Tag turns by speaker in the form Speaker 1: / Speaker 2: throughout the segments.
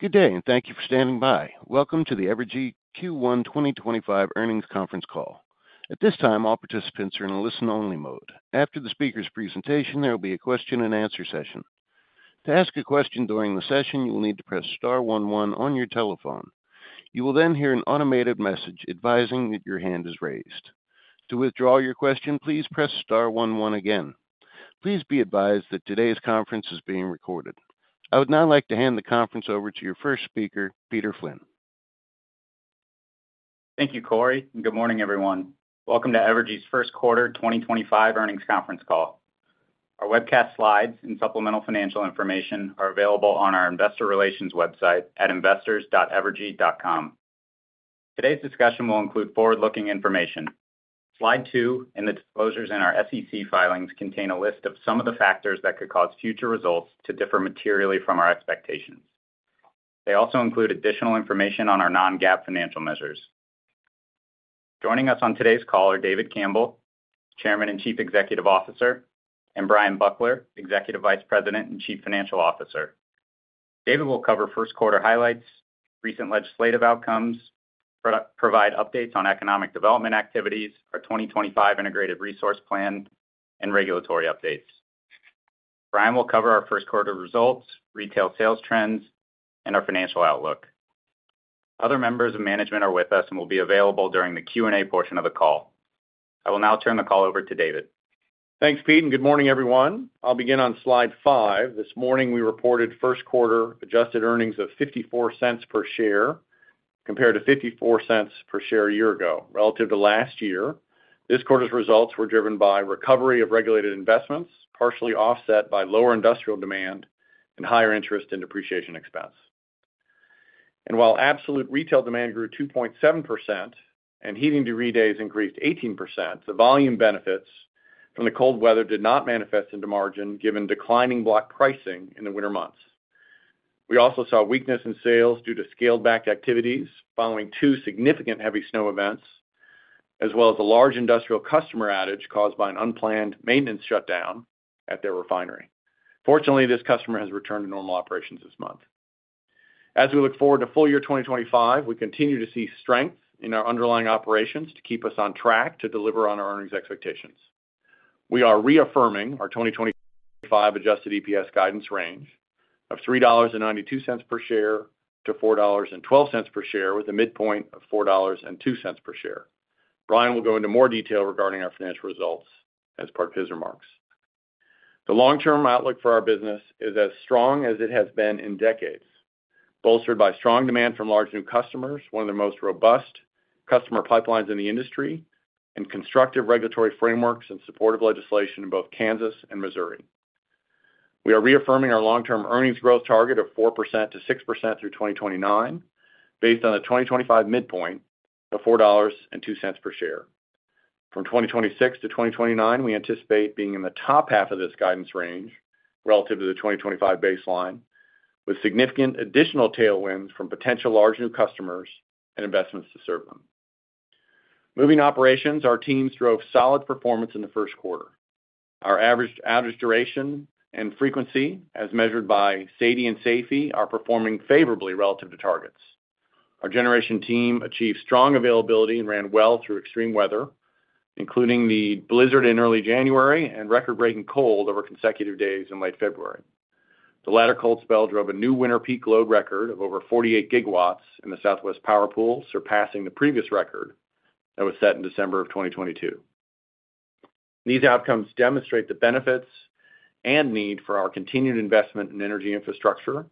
Speaker 1: Good day, and thank you for standing by. Welcome to the Evergy Q1 2025 Earnings Conference Call. At this time, all participants are in a listen-only mode. After the speaker's presentation, there will be a question-and-answer session. To ask a question during the session, you will need to press star one one on your telephone. You will then hear an automated message advising that your hand is raised. To withdraw your question, please press star one one again. Please be advised that today's conference is being recorded. I would now like to hand the conference over to your first speaker, Peter Flynn.
Speaker 2: Thank you, Corey, and good morning, everyone. Welcome to Evergy's First Quarter 2025 Earnings Conference Call. Our webcast slides and supplemental financial information are available on our investor relations website at investors.evergy.com. Today's discussion will include forward-looking information. Slide two and the disclosures in our SEC filings contain a list of some of the factors that could cause future results to differ materially from our expectations. They also include additional information on our non-GAAP financial measures. Joining us on today's call are David Campbell, Chairman and Chief Executive Officer, and Bryan Buckler, Executive Vice President and Chief Financial Officer. David will cover first quarter highlights, recent legislative outcomes, provide updates on economic development activities, our 2025 Integrated Resource Plan, and regulatory updates. Bryan will cover our first quarter results, retail sales trends, and our financial outlook. Other members of management are with us and will be available during the Q&A portion of the call. I will now turn the call over to David.
Speaker 3: Thanks, Pete, and good morning, everyone. I'll begin on slide five. This morning, we reported first quarter adjusted earnings of $0.54 per share compared to $0.54 per share a year-ago, relative to last year. This quarter's results were driven by recovery of regulated investments, partially offset by lower industrial demand and higher interest and depreciation expense, and while absolute retail demand grew 2.7% and heating degree days increased 18%, the volume benefits from the cold weather did not manifest into margin given declining block pricing in the winter months. We also saw weakness in sales due to scaled-back activities following two significant heavy snow events, as well as a large industrial customer outage caused by an unplanned maintenance shutdown at their refinery. Fortunately, this customer has returned to normal operations this month. As we look forward to full year 2025, we continue to see strength in our underlying operations to keep us on track to deliver on our earnings expectations. We are reaffirming our 2025 adjusted EPS guidance range of $3.92-$4.12 per share, with a midpoint of $4.02 per share. Bryan will go into more detail regarding our financial results as part of his remarks. The long-term outlook for our business is as strong as it has been in decades, bolstered by strong demand from large new customers, one of the most robust customer pipelines in the industry, and constructive regulatory frameworks and supportive legislation in both Kansas and Missouri. We are reaffirming our long-term earnings growth target of 4%-6% through 2029, based on the 2025 midpoint of $4.02 per share. From 2026 to 2029, we anticipate being in the top half of this guidance range relative to the 2025 baseline, with significant additional tailwinds from potential large new customers and investments to serve them. Moving to operations, our teams drove solid performance in the first quarter. Our average outage duration and frequency, as measured by SAIDI and SAIFI, are performing favorably relative to targets. Our generation team achieved strong availability and ran well through extreme weather, including the blizzard in early January and record-breaking cold over consecutive days in late February. The latter cold spell drove a new winter peak load record of over 48 GW in the Southwest Power Pool, surpassing the previous record that was set in December of 2022. These outcomes demonstrate the benefits and need for our continued investment in energy infrastructure,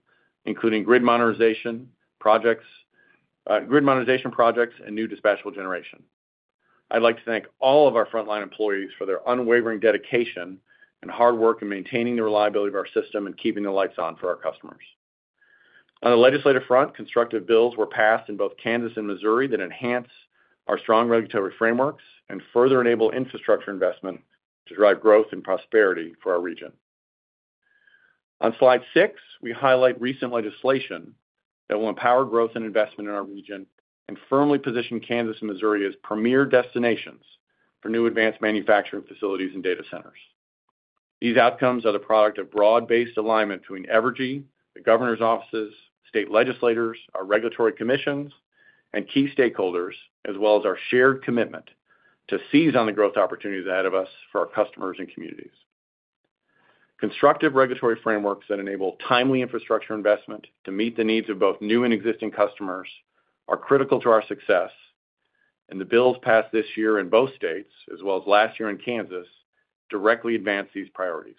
Speaker 3: including grid modernization projects and new dispatchable generation. I'd like to thank all of our frontline employees for their unwavering dedication and hard work in maintaining the reliability of our system and keeping the lights on for our customers. On the legislative front, constructive bills were passed in both Kansas and Missouri that enhance our strong regulatory frameworks and further enable infrastructure investment to drive growth and prosperity for our region. On slide six, we highlight recent legislation that will empower growth and investment in our region and firmly position Kansas and Missouri as premier destinations for new advanced manufacturing facilities and data centers. These outcomes are the product of broad-based alignment between Evergy, the governor's offices, state legislators, our regulatory commissions, and key stakeholders, as well as our shared commitment to seize on the growth opportunities ahead of us for our customers and communities. Constructive regulatory frameworks that enable timely infrastructure investment to meet the needs of both new and existing customers are critical to our success, and the bills passed this year in both states, as well as last year in Kansas, directly advance these priorities.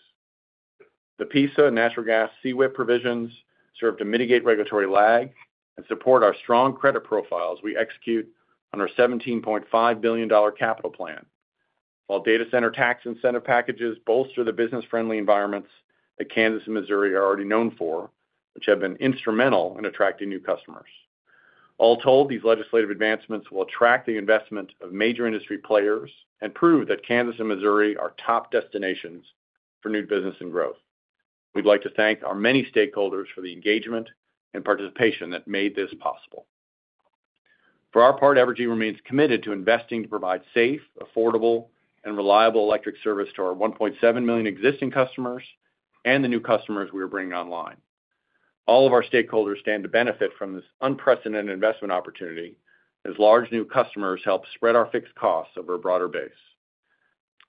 Speaker 3: The PISA and natural gas CWIP provisions serve to mitigate regulatory lag and support our strong credit profiles we execute on our $17.5 billion capital plan, while data center tax incentive packages bolster the business-friendly environments that Kansas and Missouri are already known for, which have been instrumental in attracting new customers. All told, these legislative advancements will attract the investment of major industry players and prove that Kansas and Missouri are top destinations for new business and growth. We'd like to thank our many stakeholders for the engagement and participation that made this possible. For our part, Evergy remains committed to investing to provide safe, affordable, and reliable electric service to our 1.7 million existing customers and the new customers we are bringing online. All of our stakeholders stand to benefit from this unprecedented investment opportunity as large new customers help spread our fixed costs over a broader base.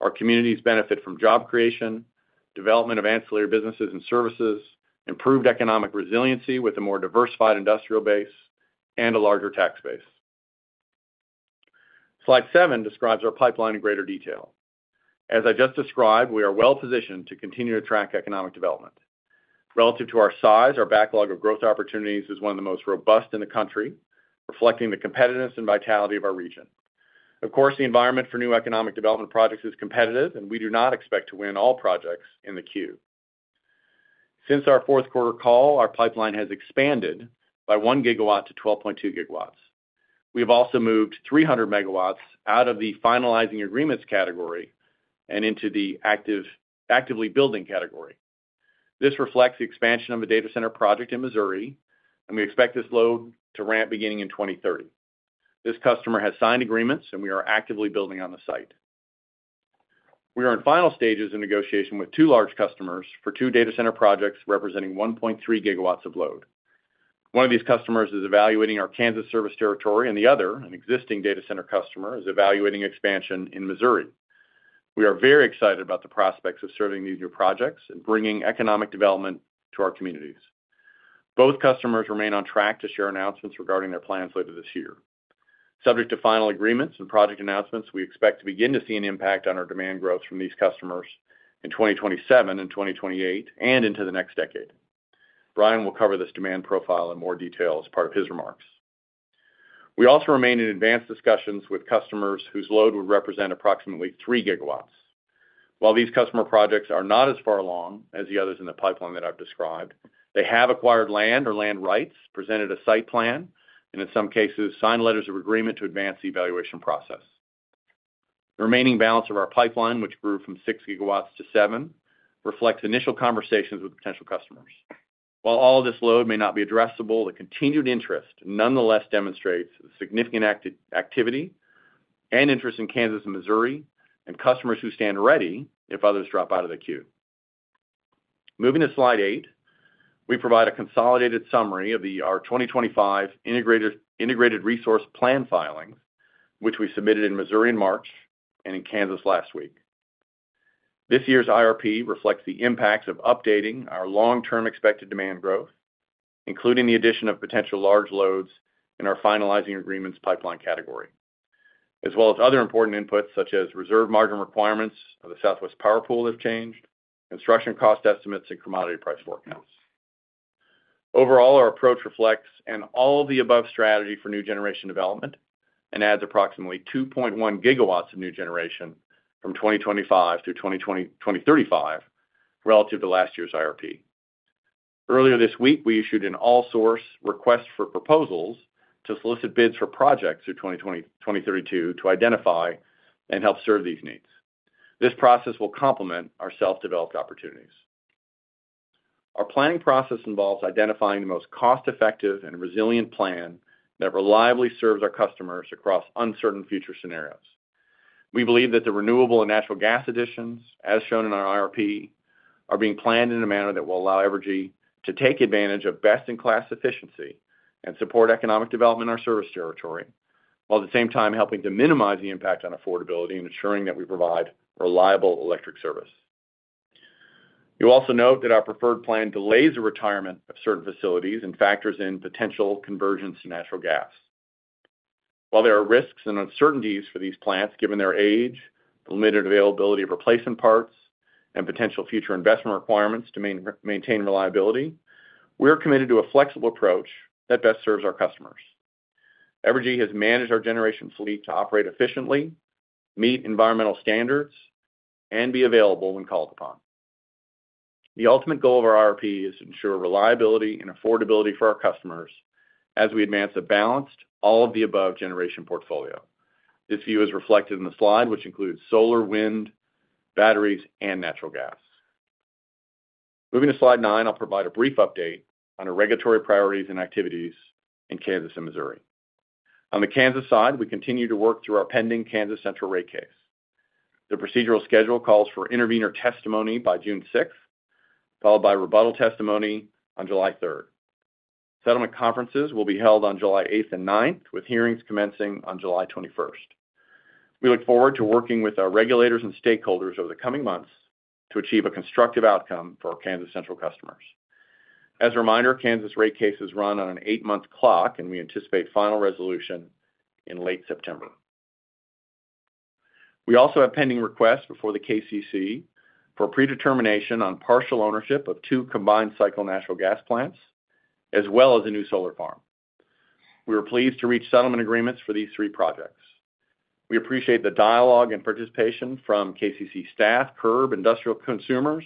Speaker 3: Our communities benefit from job creation, development of ancillary businesses and services, improved economic resiliency with a more diversified industrial base, and a larger tax base. Slide seven describes our pipeline in greater detail. As I just described, we are well-positioned to continue to track economic development. Relative to our size, our backlog of growth opportunities is one of the most robust in the country, reflecting the competitiveness and vitality of our region. Of course, the environment for new economic development projects is competitive, and we do not expect to win all projects in the queue. Since our fourth quarter call, our pipeline has expanded by one gigawatt to 12.2 GW. We have also moved 300 MW out of the finalizing agreements category and into the actively building category. This reflects the expansion of a data center project in Missouri, and we expect this load to ramp beginning in 2030. This customer has signed agreements, and we are actively building on the site. We are in final stages of negotiation with two large customers for two data center projects representing 1.3 GW of load. One of these customers is evaluating our Kansas service territory, and the other, an existing data center customer, is evaluating expansion in Missouri. We are very excited about the prospects of serving these new projects and bringing economic development to our communities. Both customers remain on track to share announcements regarding their plans later this year. Subject to final agreements and project announcements, we expect to begin to see an impact on our demand growth from these customers in 2027 and 2028 and into the next decade. Bryan will cover this demand profile in more detail as part of his remarks. We also remain in advanced discussions with customers whose load would represent approximately three gigawatts. While these customer projects are not as far along as the others in the pipeline that I've described, they have acquired land or land rights, presented a site plan, and in some cases, signed letters of agreement to advance the evaluation process. The remaining balance of our pipeline, which grew from six gigawatts to seven, reflects initial conversations with potential customers. While all of this load may not be addressable, the continued interest nonetheless demonstrates significant activity and interest in Kansas and Missouri and customers who stand ready if others drop out of the queue. Moving to slide eight, we provide a consolidated summary of our 2025 Integrated Resource Plan filings, which we submitted in Missouri in March and in Kansas last week. This year's IRP reflects the impacts of updating our long-term expected demand growth, including the addition of potential large loads in our finalizing agreements pipeline category, as well as other important inputs such as reserve margin requirements of the Southwest Power Pool have changed, construction cost estimates, and commodity price forecasts. Overall, our approach reflects all of the above strategy for new generation development and adds approximately 2.1 GW of new generation from 2025 through 2035 relative to last year's IRP. Earlier this week, we issued an all-source request for proposals to solicit bids for projects through 2032 to identify and help serve these needs. This process will complement our self-developed opportunities. Our planning process involves identifying the most cost-effective and resilient plan that reliably serves our customers across uncertain future scenarios. We believe that the renewable and natural gas additions, as shown in our IRP, are being planned in a manner that will allow Evergy to take advantage of best-in-class efficiency and support economic development in our service territory, while at the same time helping to minimize the impact on affordability and ensuring that we provide reliable electric service. You'll also note that our preferred plan delays the retirement of certain facilities and factors in potential convergence to natural gas. While there are risks and uncertainties for these plants, given their age, the limited availability of replacement parts, and potential future investment requirements to maintain reliability, we're committed to a flexible approach that best serves our customers. Evergy has managed our generation fleet to operate efficiently, meet environmental standards, and be available when called upon. The ultimate goal of our IRP is to ensure reliability and affordability for our customers as we advance a balanced all-of-the-above generation portfolio. This view is reflected in the slide, which includes solar, wind, batteries, and natural gas. Moving to slide nine, I'll provide a brief update on our regulatory priorities and activities in Kansas and Missouri. On the Kansas side, we continue to work through our pending Kansas Central rate case. The procedural schedule calls for intervenor testimony by June 6th, followed by rebuttal testimony on July 3rd. Settlement conferences will be held on July 8th and 9th, with hearings commencing on July 21st. We look forward to working with our regulators and stakeholders over the coming months to achieve a constructive outcome for our Kansas Central customers. As a reminder, Kansas rate cases run on an eight-month clock, and we anticipate final resolution in late September. We also have pending requests before the KCC for predetermination on partial ownership of two combined cycle natural gas plants, as well as a new solar farm. We are pleased to reach settlement agreements for these three projects. We appreciate the dialogue and participation from KCC staff, CURB, industrial consumers,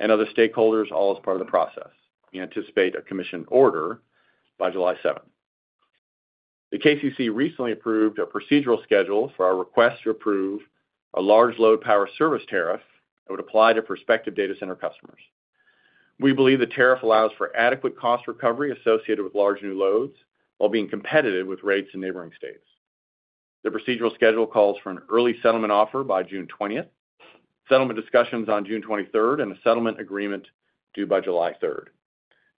Speaker 3: and other stakeholders all as part of the process. We anticipate a commissioned order by July 7th. The KCC recently approved a procedural schedule for our request to approve a large load power service tariff that would apply to prospective data center customers. We believe the tariff allows for adequate cost recovery associated with large new loads while being competitive with rates in neighboring states. The procedural schedule calls for an early settlement offer by June 20th, settlement discussions on June 23rd, and a settlement agreement due by July 3rd.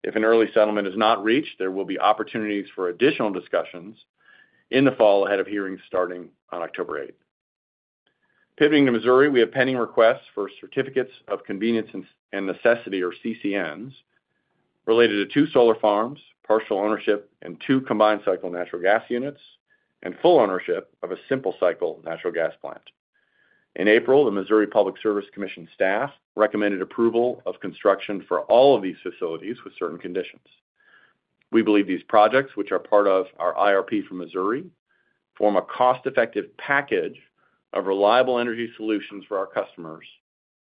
Speaker 3: If an early settlement is not reached, there will be opportunities for additional discussions in the fall ahead of hearings starting on October 8th. Pivoting to Missouri, we have pending requests for certificates of convenience and necessity, or CCNs, related to two solar farms, partial ownership, and two combined cycle natural gas units, and full ownership of a simple cycle natural gas plant. In April, the Missouri Public Service Commission staff recommended approval of construction for all of these facilities with certain conditions. We believe these projects, which are part of our IRP for Missouri, form a cost-effective package of reliable energy solutions for our customers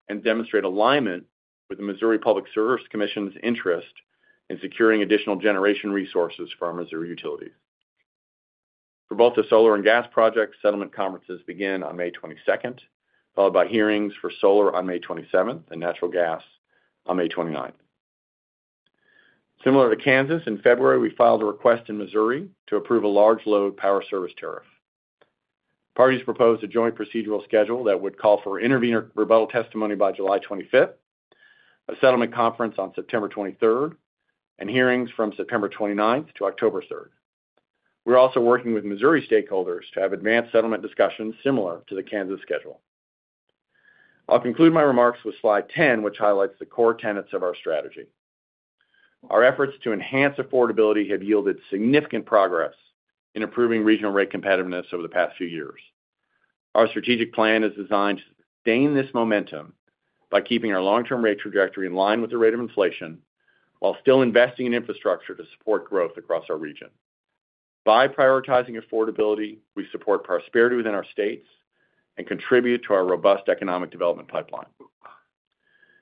Speaker 3: and demonstrate alignment with the Missouri Public Service Commission's interest in securing additional generation resources for our Missouri utilities. For both the solar and gas projects, settlement conferences begin on May 22nd, followed by hearings for solar on May 27th and natural gas on May 29th. Similar to Kansas, in February, we filed a request in Missouri to approve a Large Load Power Service Tariff. Parties proposed a joint procedural schedule that would call for intervenor rebuttal testimony by July 25th, a settlement conference on September 23rd, and hearings from September 29th to October 3rd. We're also working with Missouri stakeholders to have advanced settlement discussions similar to the Kansas schedule. I'll conclude my remarks with slide 10, which highlights the core tenets of our strategy. Our efforts to enhance affordability have yielded significant progress in improving regional rate competitiveness over the past few years. Our strategic plan is designed to sustain this momentum by keeping our long-term rate trajectory in line with the rate of inflation while still investing in infrastructure to support growth across our region. By prioritizing affordability, we support prosperity within our states and contribute to our robust economic development pipeline.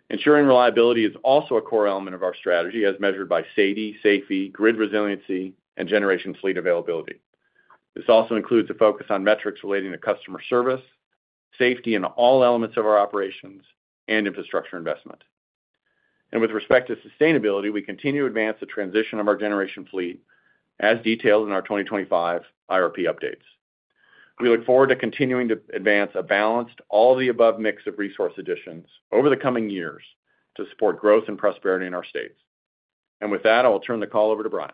Speaker 3: Ensuring reliability is also a core element of our strategy, as measured by safety, grid resiliency, and generation fleet availability. This also includes a focus on metrics relating to customer service, safety in all elements of our operations, and infrastructure investment. With respect to sustainability, we continue to advance the transition of our generation fleet, as detailed in our 2025 IRP updates. We look forward to continuing to advance a balanced all-of-the-above mix of resource additions over the coming years to support growth and prosperity in our states. And with that, I will turn the call over to Bryan.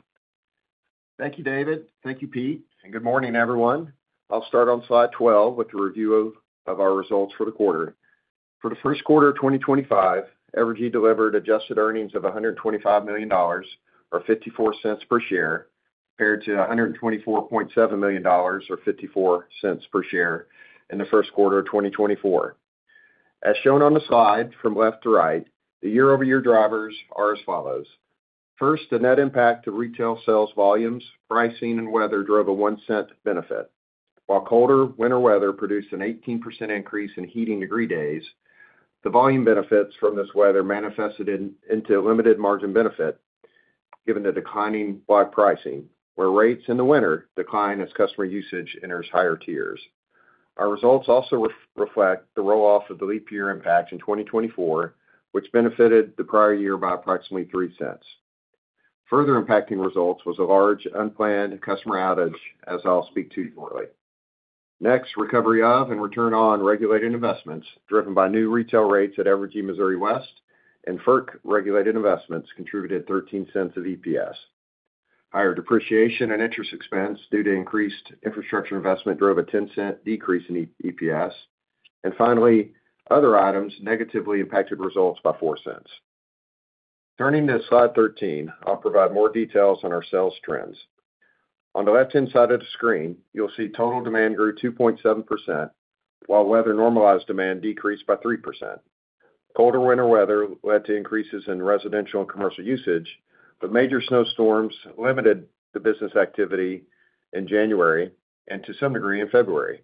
Speaker 4: Thank you, David. Thank you, Pete. And good morning, everyone. I'll start on slide 12 with the review of our results for the quarter. For the first quarter of 2025, Evergy delivered adjusted earnings of $125 million, or $0.54 per share, compared to $124.7 million, or $0.54 per share, in the first quarter of 2024. As shown on the slide from left to right, the year-over-year drivers are as follows. First, the net impact of retail sales volumes, pricing, and weather drove a one-cent benefit. While colder winter weather produced an 18% increase in heating degree days, the volume benefits from this weather manifested into limited margin benefit given the declining block pricing, where rates in the winter decline as customer usage enters higher tiers. Our results also reflect the roll-off of the leap year impacts in 2024, which benefited the prior-year by approximately $0.03. Further impacting results was a large unplanned customer outage, as I'll speak to shortly. Next, recovery of and return on regulated investments driven by new retail rates at Evergy Missouri West, and FERC regulated investments contributed $0.13 of EPS. Higher depreciation and interest expense due to increased infrastructure investment drove a $0.10 decrease in EPS. And finally, other items negatively impacted results by $0.04. Turning to slide 13, I'll provide more details on our sales trends. On the left-hand side of the screen, you'll see total demand grew 2.7%, while weather normalized demand decreased by 3%. Colder winter weather led to increases in residential and commercial usage, but major snowstorms limited the business activity in January and to some degree in February.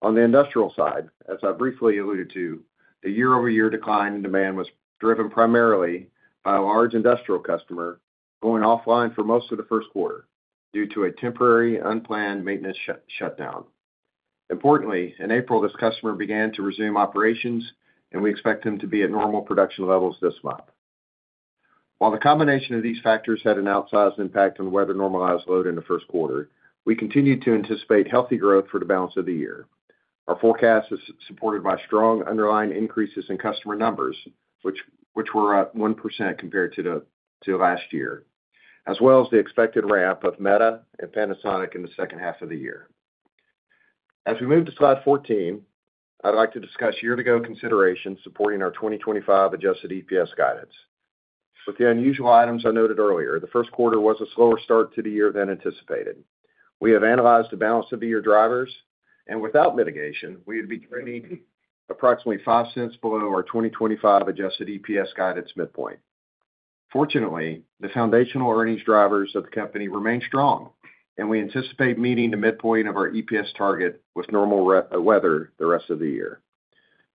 Speaker 4: On the industrial side, as I briefly alluded to, the year-over-year decline in demand was driven primarily by a large industrial customer going offline for most of the first quarter due to a temporary unplanned maintenance shutdown. Importantly, in April, this customer began to resume operations, and we expect them to be at normal production levels this month. While the combination of these factors had an outsized impact on weather normalized load in the first quarter, we continue to anticipate healthy growth for the balance of the year. Our forecast is supported by strong underlying increases in customer numbers, which were up 1% compared to last year, as well as the expected ramp of Meta and Panasonic in the second half of the year. As we move to slide 14, I'd like to discuss year-to-go considerations supporting our 2025 adjusted EPS guidance. With the unusual items I noted earlier, the first quarter was a slower start to the year than anticipated. We have analyzed the balance of the year drivers, and without mitigation, we would be trading approximately $0.05 below our 2025 adjusted EPS guidance midpoint. Fortunately, the foundational earnings drivers of the company remain strong, and we anticipate meeting the midpoint of our EPS target with normal weather the rest of the year.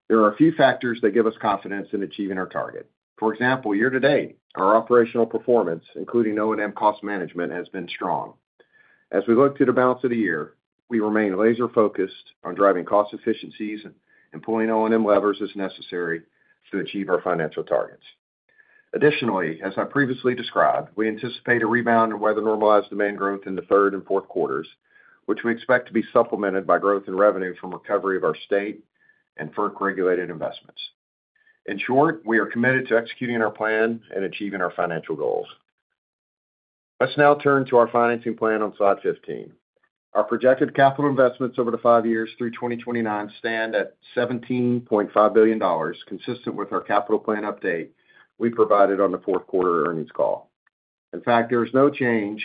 Speaker 4: There are a few factors that give us confidence in achieving our target. For example, year-to-date, our operational performance, including O&M cost management, has been strong. As we look to the balance of the year, we remain laser-focused on driving cost efficiencies and pulling O&M levers as necessary to achieve our financial targets. Additionally, as I previously described, we anticipate a rebound in weather normalized demand growth in the third and fourth quarters, which we expect to be supplemented by growth in revenue from recovery of our state and FERC regulated investments. In short, we are committed to executing our plan and achieving our financial goals. Let's now turn to our financing plan on slide 15. Our projected capital investments over the five years through 2029 stand at $17.5 billion, consistent with our capital plan update we provided on the fourth quarter earnings call. In fact, there is no change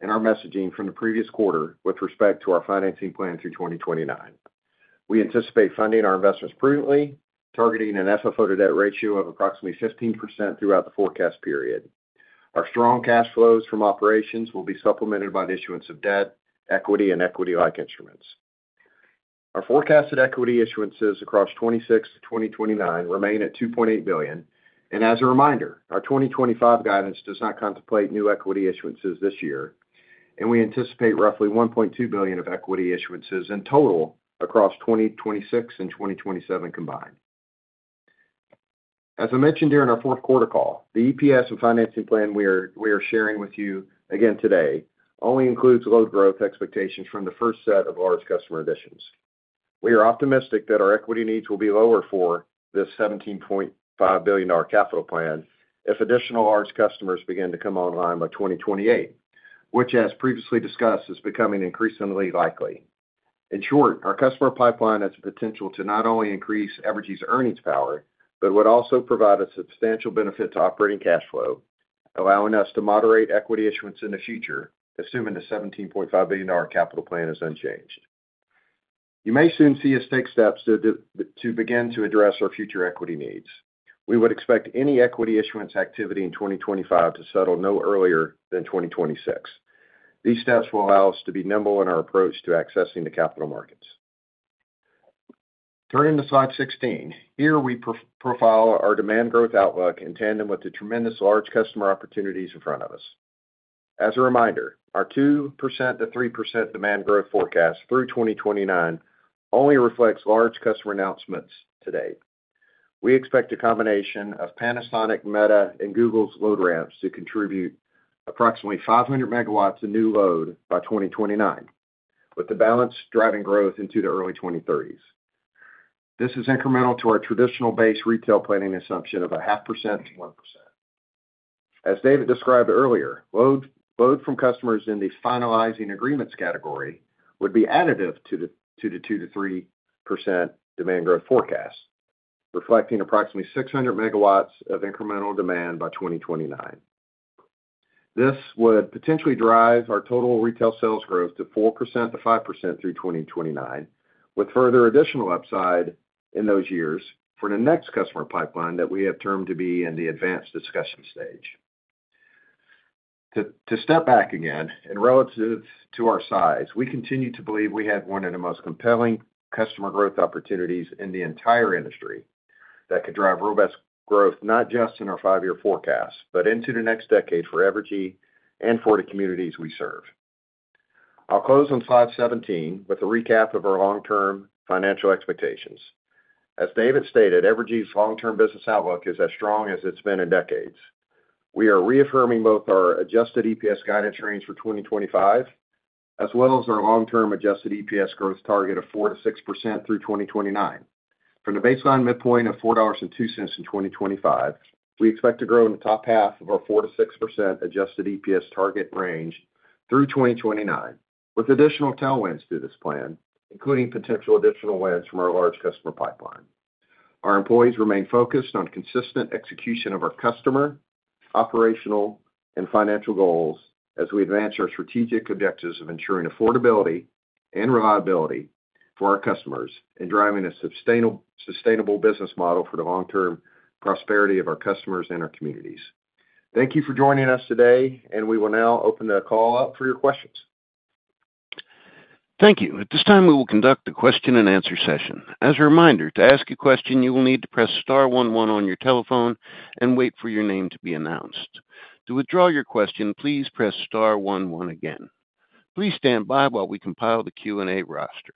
Speaker 4: in our messaging from the previous quarter with respect to our financing plan through 2029. We anticipate funding our investments prudently, targeting an FFO to debt ratio of approximately 15% throughout the forecast period. Our strong cash flows from operations will be supplemented by the issuance of debt, equity, and equity-like instruments. Our forecasted equity issuances across 2026 to 2029 remain at $2.8 billion, and as a reminder, our 2025 guidance does not contemplate new equity issuances this year, and we anticipate roughly $1.2 billion of equity issuances in total across 2026 and 2027 combined. As I mentioned during our fourth quarter call, the EPS and financing plan we are sharing with you again today only includes load growth expectations from the first set of large customer additions. We are optimistic that our equity needs will be lower for this $17.5 billion capital plan if additional large customers begin to come online by 2028, which, as previously discussed, is becoming increasingly likely. In short, our customer pipeline has the potential to not only increase Evergy's earnings power, but would also provide a substantial benefit to operating cash flow, allowing us to moderate equity issuance in the future, assuming the $17.5 billion capital plan is unchanged. You may soon see us take steps to begin to address our future equity needs. We would expect any equity issuance activity in 2025 to settle no earlier than 2026. These steps will allow us to be nimble in our approach to accessing the capital markets. Turning to slide 16, here we profile our demand growth outlook in Tandem with the tremendous large customer opportunities in front of us. As a reminder, our 2%-3% demand growth forecast through 2029 only reflects large customer announcements to date. We expect a combination of Panasonic, Meta, and Google's load ramps to contribute approximately 500 MW of new load by 2029, with the balance driving growth into the early 2030s. This is incremental to our traditional base retail planning assumption of 0.5%-1%. As David described earlier, load from customers in the finalizing agreements category would be additive to the 2%-3% demand growth forecast, reflecting approximately 600 MW of incremental demand by 2029. This would potentially drive our total retail sales growth to 4%-5% through 2029, with further additional upside in those years for the next customer pipeline that we have termed to be in the advanced discussion stage. To step back again, in relation to our size, we continue to believe we have one of the most compelling customer growth opportunities in the entire industry that could drive robust growth not just in our five-year forecast, but into the next decade for Evergy and for the communities we serve. I'll close on slide 17 with a recap of our long-term financial expectations. As David stated, Evergy's long-term business outlook is as strong as it's been in decades. We are reaffirming both our adjusted EPS guidance range for 2025, as well as our long-term adjusted EPS growth target of 4%-6% through 2029. From the baseline midpoint of $4.02 in 2025, we expect to grow in the top half of our 4%-6% adjusted EPS target range through 2029, with additional tailwinds to this plan, including potential additional wins from our large customer pipeline. Our employees remain focused on consistent execution of our customer, operational, and financial goals as we advance our strategic objectives of ensuring affordability and reliability for our customers and driving a sustainable business model for the long-term prosperity of our customers and our communities. Thank you for joining us today, and we will now open the call up for your questions.
Speaker 1: Thank you. At this time, we will conduct a question-and-answer session. As a reminder, to ask a question, you will need to press star one one on your telephone and wait for your name to be announced. To withdraw your question, please press star one one again. Please stand by while we compile the Q&A roster.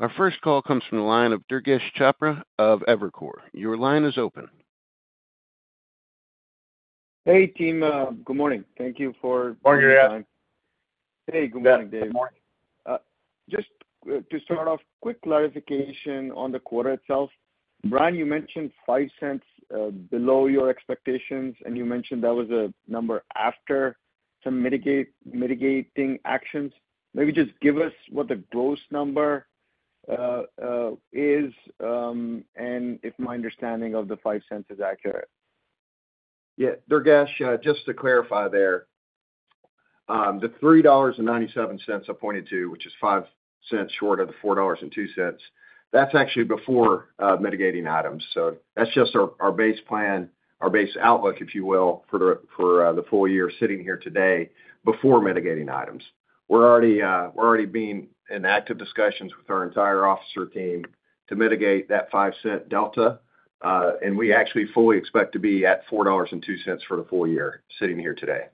Speaker 1: Our first call comes from the line of Durgesh Chopra of Evercore. Your line is open.
Speaker 5: Hey, team. Good morning. Thank you for. Morning, everyone.
Speaker 3: Hey, good morning, David.
Speaker 6: Good morning. Just to start off, quick clarification on the quarter itself. Bryan, you mentioned $0.05 below your expectations, and you mentioned that was a number after some mitigating actions. Maybe just give us what the gross number is and if my understanding of the $0.05 is accurate.
Speaker 3: Yeah. Durgesh, just to clarify there, the $3.97 I pointed to, which is $0.05 short of the $4.02, that's actually before mitigating items. So that's just our base plan, our base outlook, if you will, for the full year sitting here today before mitigating items. We're already being in active discussions with our entire officer team to mitigate that $0.05 delta, and we actually fully expect to be at $4.02 for the full year sitting here today.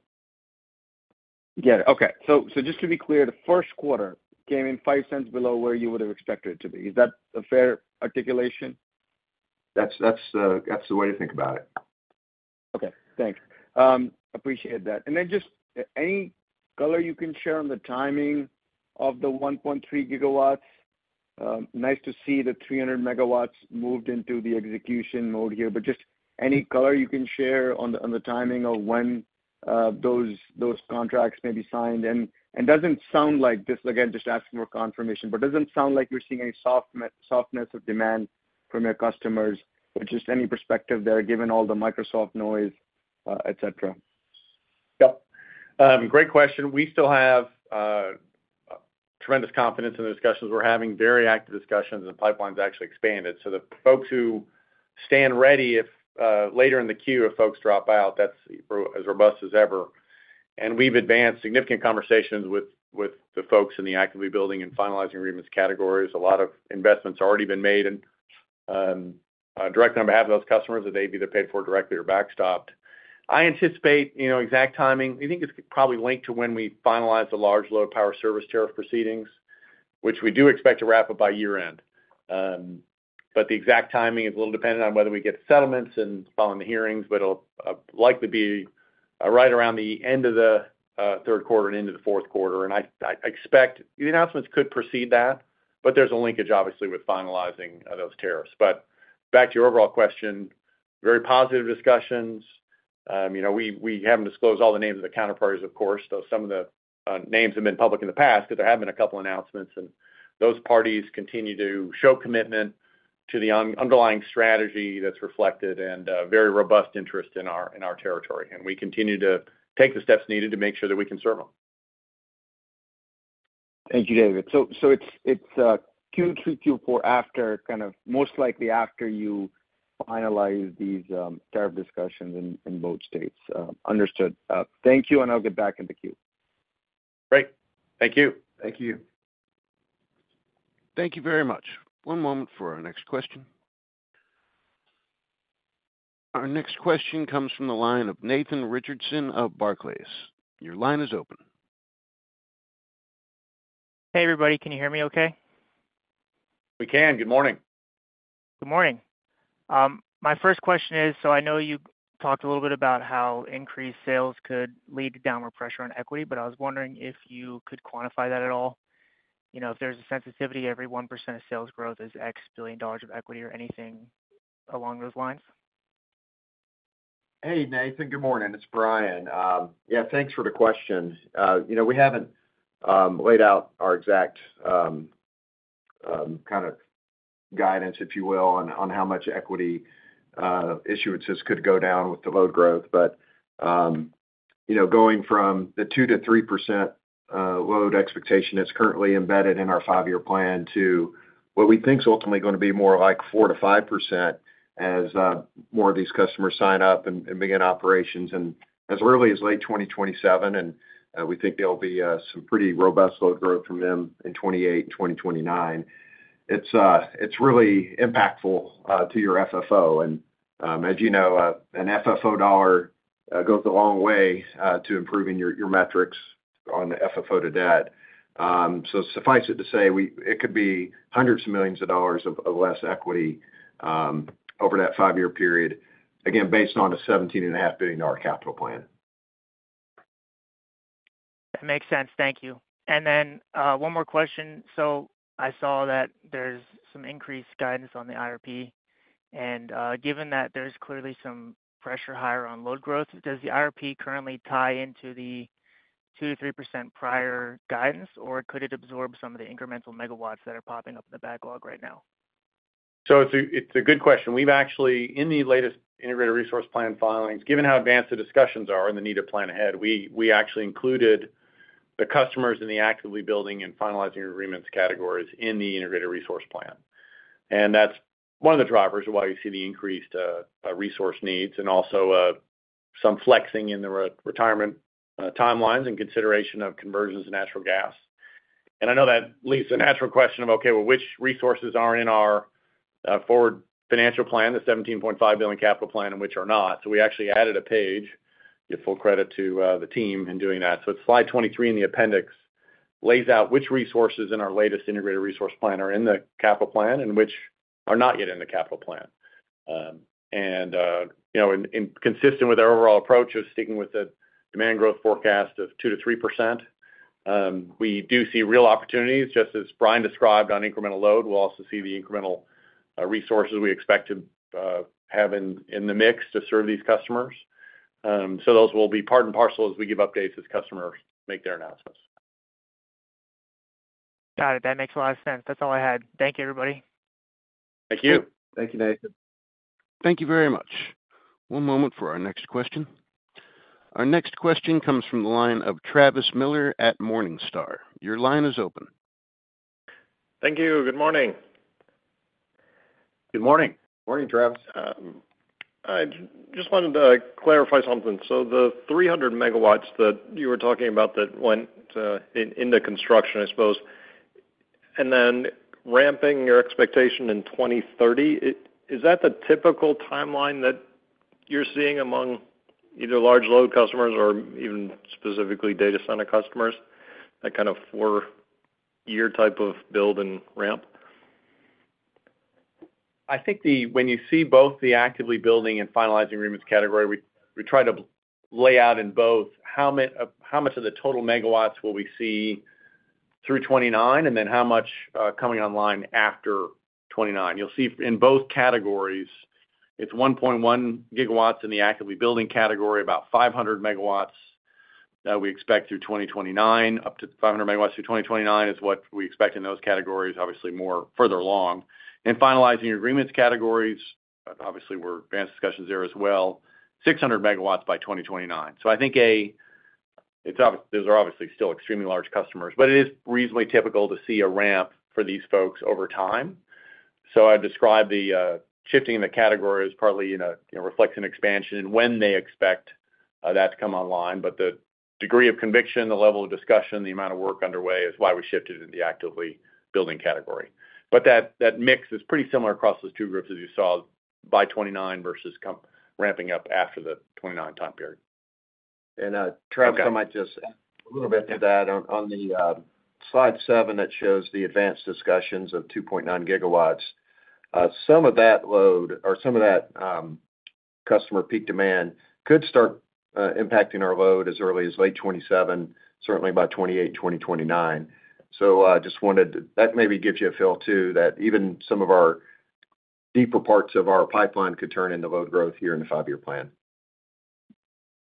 Speaker 5: Got it. Okay. So just to be clear, the first quarter came in $0.05 below where you would have expected it to be. Is that a fair articulation?
Speaker 3: That's the way to think about it.
Speaker 5: Okay. Thanks. Appreciate that. And then just any color you can share on the timing of the 1.3 GW? Nice to see the 300 MW moved into the execution mode here. But just any color you can share on the timing of when those contracts may be signed? And it doesn't sound like this again, just asking for confirmation, but it doesn't sound like you're seeing any softness of demand from your customers, but just any perspective there given all the Microsoft noise, etc.?
Speaker 3: Yep. Great question. We still have tremendous confidence in the discussions. We're having very active discussions, and the pipeline's actually expanded. So the folks who stand ready, if later in the queue if folks drop out, that's as robust as ever. We've advanced significant conversations with the folks in the data centers and finalizing agreements categories. A lot of investments have already been made, and directly on behalf of those customers, that they've either paid for directly or backstopped. I can't anticipate exact timing. I think it's probably linked to when we finalize the Large Load Power Service Tariff proceedings, which we do expect to wrap up by year-end. The exact timing is a little dependent on whether we get settlements and following the hearings, but it'll likely be right around the end of the third quarter and into the fourth quarter. I expect the announcements could precede that, but there's a linkage, obviously, with finalizing those tariffs. Back to your overall question, very positive discussions. We haven't disclosed all the names of the counterparties, of course, though some of the names have been public in the past because there have been a couple of announcements, and those parties continue to show commitment to the underlying strategy that's reflected and very robust interest in our territory, and we continue to take the steps needed to make sure that we can serve them.
Speaker 5: Thank you, David, so it's Q3, Q4 after kind of most likely after you finalize these tariff discussions in both states. Understood. Thank you, and I'll get back in the queue.
Speaker 3: Great. Thank you.
Speaker 4: Thank you.
Speaker 1: Thank you very much. One moment for our next question. Our next question comes from the line of Nathan Richardson of Barclays. Your line is open.
Speaker 7: Hey, everybody. Can you hear me okay?
Speaker 4: We can. Good morning.
Speaker 7: Good morning. My first question is, so I know you talked a little bit about how increased sales could lead to downward pressure on equity, but I was wondering if you could quantify that at all. If there's a sensitivity every 1% of sales growth is $X billion of equity or anything along those lines?
Speaker 4: Hey, Nathan. Good morning. It's Bryan. Yeah, thanks for the question. We haven't laid out our exact kind of guidance, if you will, on how much equity issuances could go down with the load growth. But going from the 2%-3% load expectation that's currently embedded in our five-year plan to what we think is ultimately going to be more like 4%-5% as more of these customers sign up and begin operations as early as late 2027. And we think there'll be some pretty robust load growth from them in 2028, 2029. It's really impactful to your FFO. And as you know, an FFO dollar goes a long way to improving your metrics on the FFO-to-debt. So suffice it to say, it could be hundreds of millions of dollars of less equity over that five-year period, again, based on a $17.5 billion capital plan.
Speaker 7: That makes sense. Thank you. And then one more question. So I saw that there's some increased guidance on the IRP. And given that there's clearly some pressure higher on load growth, does the IRP currently tie into the 2%-3% prior guidance, or could it absorb some of the incremental megawatts that are popping up in the backlog right now?
Speaker 3: So it's a good question. We've actually, in the latest integrated resource plan filings, given how advanced the discussions are and the need to plan ahead, we actually included the customers in the activity building and finalizing agreements categories in the integrated resource plan. And that's one of the drivers of why you see the increased resource needs and also some flexing in the retirement timelines and consideration of conversions to natural gas. And I know that leads to the natural question of, okay, well, which resources are in our forward financial plan, the $17.5 billion capital plan, and which are not. So we actually added a page, give full credit to the team in doing that. So it's slide 23 in the appendix, lays out which resources in our latest integrated resource plan are in the capital plan and which are not yet in the capital plan. Consistent with our overall approach of sticking with the demand growth forecast of 2%-3%, we do see real opportunities, just as Bryan described on incremental load. We'll also see the incremental resources we expect to have in the mix to serve these customers. So those will be part and parcel as we give updates as customers make their announcements.
Speaker 7: Got it. That makes a lot of sense. That's all I had. Thank you, everybody.
Speaker 3: Thank you.
Speaker 4: Thank you, Nathan.
Speaker 1: Thank you very much. One moment for our next question. Our next question comes from the line of Travis Miller at Morningstar. Your line is open.
Speaker 8: Thank you. Good morning.
Speaker 3: Good morning.
Speaker 4: Morning, Travis.
Speaker 8: I just wanted to clarify something. So the 300 MW that you were talking about that went into construction, I suppose, and then ramping your expectation in 2030, is that the typical timeline that you're seeing among either large load customers or even specifically data center customers, that kind of four-year type of build and ramp?
Speaker 3: I think when you see both the actively building and finalizing agreements category, we try to lay out in both how much of the total megawatts will we see through 2029 and then how much coming online after 2029. You'll see in both categories, it's 1.1 GW in the actively building category, about 500 MW that we expect through 2029, up to 500 MW through 2029 is what we expect in those categories, obviously further along. And finalizing agreements categories, obviously we're advanced discussions there as well, 600 MW by 2029. So I think those are obviously still extremely large customers, but it is reasonably typical to see a ramp for these folks over time. So I describe the shifting in the category as partly reflecting expansion and when they expect that to come online. But the degree of conviction, the level of discussion, the amount of work underway is why we shifted in the actively building category. But that mix is pretty similar across those two groups, as you saw, by 2029 versus ramping up after the 2029 time period.
Speaker 4: And Travis, I might just add a little bit to that. On the slide seven, that shows the advanced discussions of 2.9 GW. Some of that load or some of that customer peak demand could start impacting our load as early as late 2027, certainly by 2028, 2029. So I just wanted that maybe gives you a feel too that even some of our deeper parts of our pipeline could turn into load growth here in the five-year plan.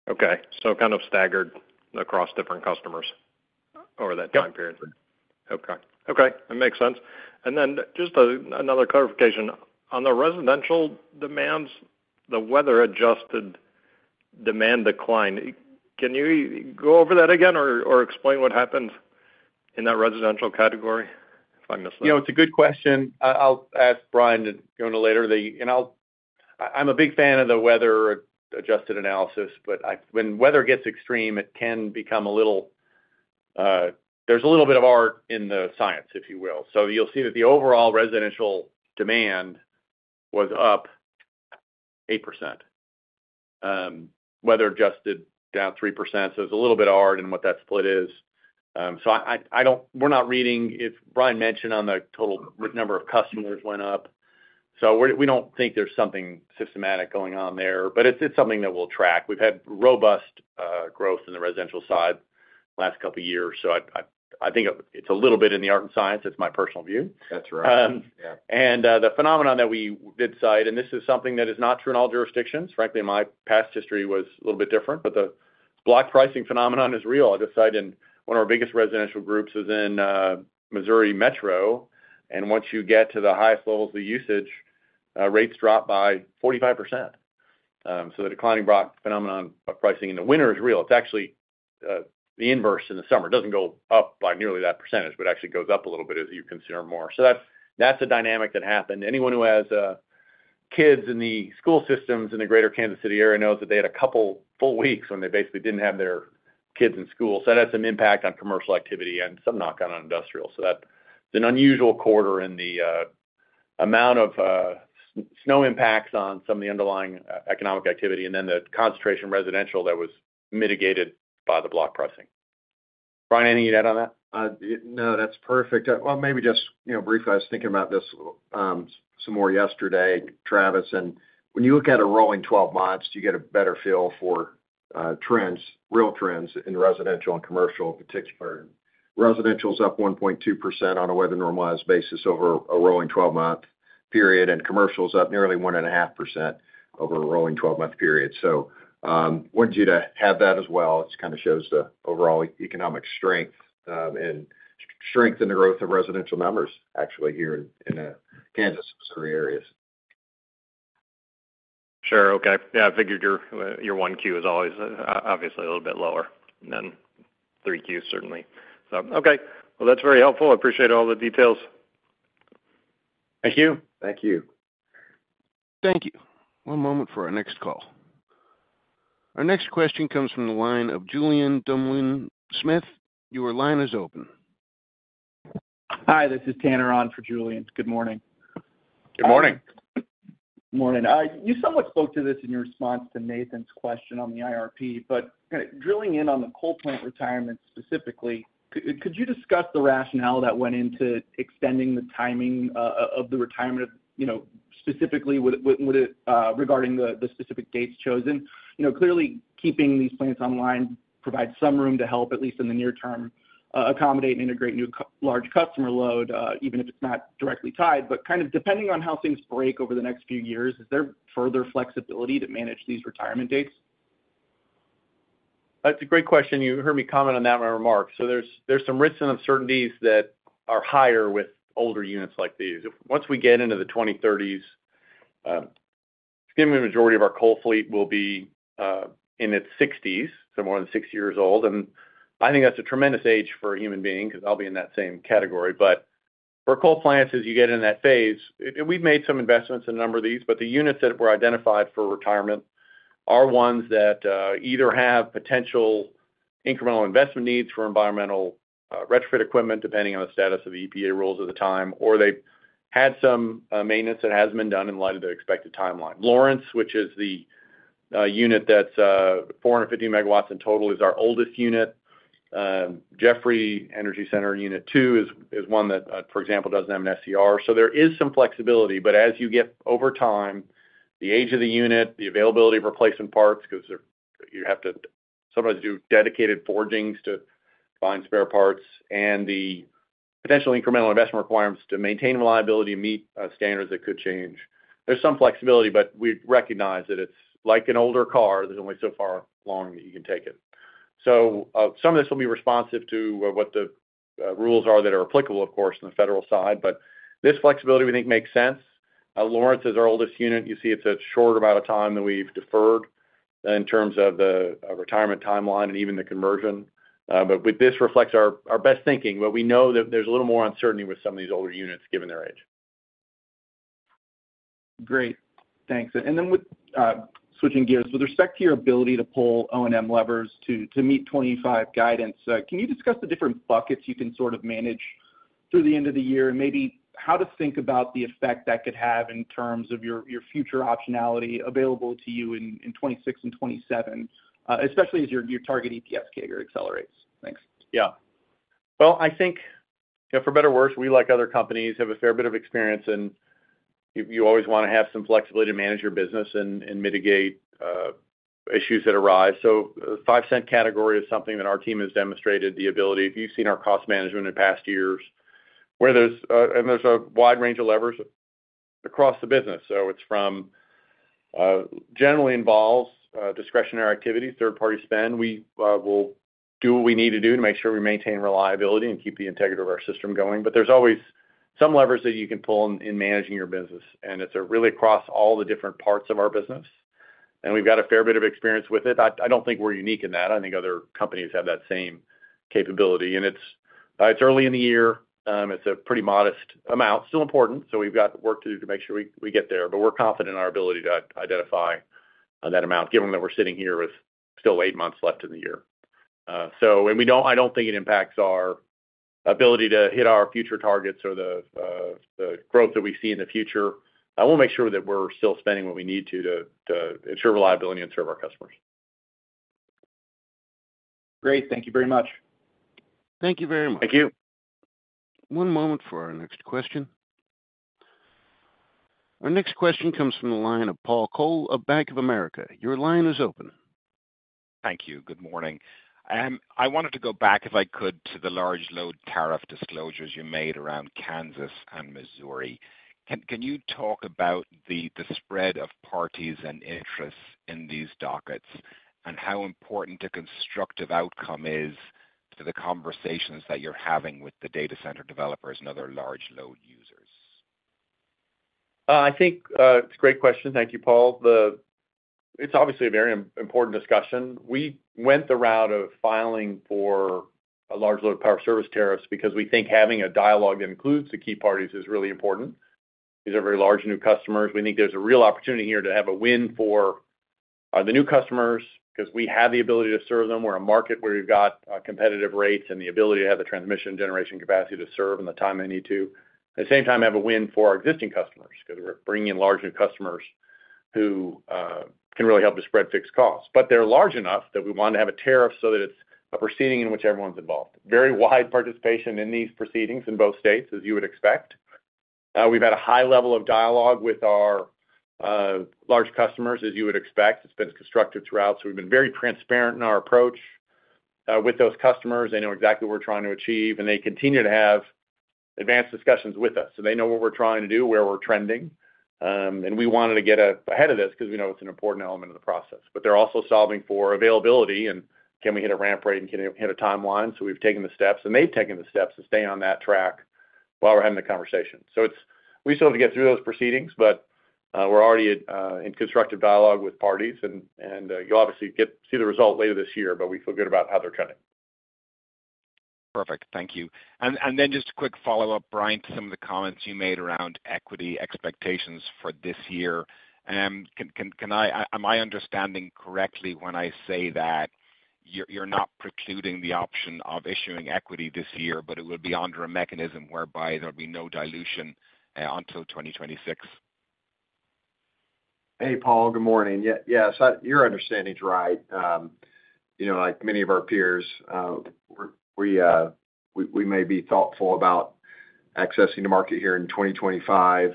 Speaker 8: Okay. So kind of staggered across different customers over that time period. Okay. Okay. That makes sense. And then just another clarification. On the residential demands, the weather-adjusted demand decline, can you go over that again or explain what happens in that residential category if I missed that?
Speaker 3: Yeah. It's a good question. I'll ask Bryan to join later. I'm a big fan of the weather-adjusted analysis, but when weather gets extreme, it can become a little. There's a little bit of art in the science, if you will. So you'll see that the overall residential demand was up 8%, weather-adjusted down 3%. So there's a little bit of art in what that split is. So we're not reading if Bryan mentioned on the total number of customers went up. So we don't think there's something systematic going on there, but it's something that we'll track. We've had robust growth in the residential side the last couple of years. So I think it's a little bit in the art and science. It's my personal view. That's right. Yeah. And the phenomenon that we did cite, and this is something that is not true in all jurisdictions. Frankly, my past history was a little bit different, but the block pricing phenomenon is real. I just cited one of our biggest residential groups is in Missouri Metro. And once you get to the highest levels of usage, rates drop by 45%. So the declining block phenomenon of pricing in the winter is real. It's actually the inverse in the summer. It doesn't go up by nearly that percentage, but it actually goes up a little bit as you consume more. So that's a dynamic that happened. Anyone who has kids in the school systems in the greater Kansas City area knows that they had a couple full weeks when they basically didn't have their kids in school. So that has some impact on commercial activity and some knock-on on industrial. So that's an unusual quarter in the amount of snow impacts on some of the underlying economic activity and then the concentration of residential that was mitigated by the block pricing. Bryan, anything you'd add on that?
Speaker 4: No, that's perfect. Well, maybe just briefly, I was thinking about this some more yesterday, Travis. And when you look at a rolling 12 months, you get a better feel for trends, real trends in residential and commercial in particular. Residential is up 1.2% on a weather-normalized basis over a rolling 12-month period, and commercial is up nearly 1.5% over a rolling 12-month period. So I wanted you to have that as well. It kind of shows the overall economic strength and strength in the growth of residential numbers actually here in the Kansas and Missouri areas.
Speaker 8: Sure. Okay. Yeah. I figured your Q1 is always obviously a little bit lower than three Qs, certainly. So, okay. Well, that's very helpful. I appreciate all the details.
Speaker 3: Thank you.
Speaker 4: Thank you.
Speaker 1: Thank you. One moment for our next call. Our next question comes from the line of Julien Dumoulin-Smith. Your line is open.
Speaker 9: Hi. This is Tanner On for Julien. Good morning.
Speaker 3: Good morning.
Speaker 9: Good morning. You somewhat spoke to this in your response to Nathan's question on the IRP, but drilling in on the coal plant retirement specifically, could you discuss the rationale that went into extending the timing of the retirement specifically regarding the specific dates chosen? Clearly, keeping these plants online provides some room to help, at least in the near-term, accommodate and integrate new large customer load, even if it's not directly tied. But kind of depending on how things break over the next few years, is there further flexibility to manage these retirement dates?
Speaker 3: That's a great question. You heard me comment on that in my remarks. So there's some risks and uncertainties that are higher with older units like these. Once we get into the 2030s, the majority of our coal fleet will be in its 60s, so more than 60 years old. I think that's a tremendous age for a human being because I'll be in that same category. For coal plants, as you get in that phase, we've made some investments in a number of these, but the units that were identified for retirement are ones that either have potential incremental investment needs for environmental retrofit equipment, depending on the status of EPA rules at the time, or they had some maintenance that has been done in light of the expected timeline. Lawrence, which is the unit that's 450 MW in total, is our oldest unit. Jeffrey Energy Center, unit two, is one that, for example, does MSCR. There is some flexibility. But as you get over time, the age of the unit, the availability of replacement parts, because you have to sometimes do dedicated forgings to find spare parts, and the potential incremental investment requirements to maintain reliability and meet standards that could change, there's some flexibility. But we recognize that it's like an older car. There's only so far along that you can take it. So some of this will be responsive to what the rules are that are applicable, of course, on the federal side. But this flexibility, we think, makes sense. Lawrence is our oldest unit. You see it's a short amount of time that we've deferred in terms of the retirement timeline and even the conversion. But this reflects our best thinking, but we know that there's a little more uncertainty with some of these older units given their age.
Speaker 9: Great. Thanks. And then switching gears, with respect to your ability to pull O&M levers to meet 2025 guidance, can you discuss the different buckets you can sort of manage through the end of the year and maybe how to think about the effect that could have in terms of your future optionality available to you in 2026 and 2027, especially as your target EPS category accelerates? Thanks.
Speaker 3: Yeah. Well, I think for better or worse, we like other companies have a fair bit of experience, and you always want to have some flexibility to manage your business and mitigate issues that arise. So the $0.05 category is something that our team has demonstrated the ability. If you've seen our cost management in past years, and there's a wide range of levers across the business. So it's from generally involves discretionary activities, third-party spend. We will do what we need to do to make sure we maintain reliability and keep the integrity of our system going. But there's always some levers that you can pull in managing your business. And it's really across all the different parts of our business. And we've got a fair bit of experience with it. I don't think we're unique in that. I think other companies have that same capability. And it's early in the year. It's a pretty modest amount. Still important. So we've got work to do to make sure we get there. But we're confident in our ability to identify that amount, given that we're sitting here with still eight months left in the year. So I don't think it impacts our ability to hit our future targets or the growth that we see in the future. I want to make sure that we're still spending what we need to to ensure reliability and serve our customers.
Speaker 9: Great. Thank you very much.
Speaker 1: Thank you very much.
Speaker 3: Thank you.
Speaker 1: One moment for our next question. Our next question comes from the line of Paul Cole of Bank of America. Your line is open.
Speaker 10: Thank you. Good morning. I wanted to go back, if I could, to the Large Load Tariff disclosures you made around Kansas and Missouri. Can you talk about the spread of parties and interests in these dockets and how important a constructive outcome is to the conversations that you're having with the data center developers and other large load users?
Speaker 3: I think it's a great question. Thank you, Paul. It's obviously a very important discussion. We went the route of filing for a Large Load Power Service Tariffs because we think having a dialogue that includes the key parties is really important. These are very large new customers. We think there's a real opportunity here to have a win for the new customers because we have the ability to serve them. We're a market where we've got competitive rates and the ability to have the transmission generation capacity to serve in the time they need to. At the same time, have a win for our existing customers because we're bringing in large new customers who can really help to spread fixed costs. But they're large enough that we want to have a tariff so that it's a proceeding in which everyone's involved. Very wide participation in these proceedings in both states, as you would expect. We've had a high level of dialogue with our large customers, as you would expect. It's been constructive throughout. So we've been very transparent in our approach with those customers. They know exactly what we're trying to achieve, and they continue to have advanced discussions with us. So they know what we're trying to do, where we're trending. And we wanted to get ahead of this because we know it's an important element of the process. But they're also solving for availability and can we hit a ramp rate and can we hit a timeline. So we've taken the steps, and they've taken the steps to stay on that track while we're having the conversation. So we still have to get through those proceedings, but we're already in constructive dialogue with parties. And you'll obviously see the result later this year, but we feel good about how they're trending.
Speaker 10: Perfect. Thank you. And then just a quick follow-up, Bryan, to some of the comments you made around equity expectations for this year. Am I understanding correctly when I say that you're not precluding the option of issuing equity this year, but it would be under a mechanism whereby there would be no dilution until 2026?
Speaker 4: Hey, Paul. Good morning. Yes. Your understanding is right. Like many of our peers, we may be thoughtful about accessing the market here in 2025,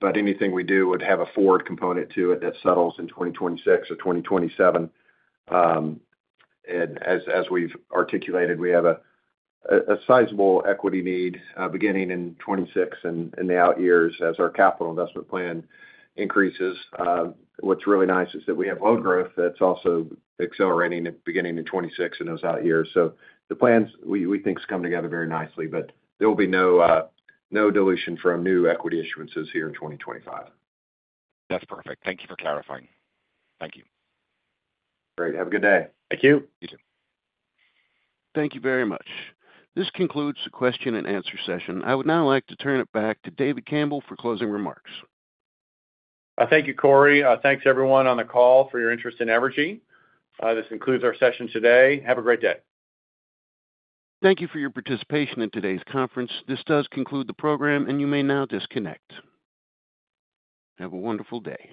Speaker 4: but anything we do would have a forward component to it that settles in 2026 or 2027. And as we've articulated, we have a sizable equity need beginning in 2026 and the out years as our capital investment plan increases. What's really nice is that we have load growth that's also accelerating beginning in 2026 and those out years. So the plans, we think, come together very nicely, but there will be no dilution from new equity issuances here in 2025.
Speaker 10: That's perfect. Thank you for clarifying. Thank you.
Speaker 4: Great. Have a good day.
Speaker 3: Thank you.
Speaker 1: Thank you very much. This concludes the question and answer session. I would now like to turn it back to David Campbell for closing remarks.
Speaker 3: Thank you, Corey. Thanks, everyone on the call, for your interest in Evergy. This concludes our session today. Have a great day.
Speaker 1: Thank you for your participation in today's conference. This does conclude the program, and you may now disconnect. Have a wonderful day.